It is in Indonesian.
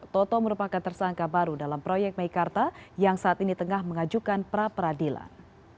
toto merupakan tersangka baru dalam proyek meikarta yang saat ini tengah mengajukan pra peradilan